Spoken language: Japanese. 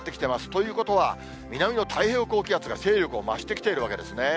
ということは、南の太平洋高気圧が勢力を増してきているわけですね。